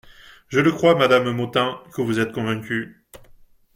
Je le crois, madame Motin, que vous êtes convaincue.